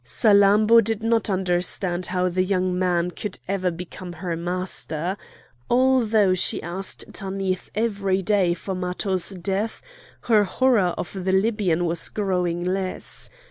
Salammbô did not understand how the young man could ever become her master! Although she asked Tanith every day for Matho's death, her horror of the Libyan was growing less.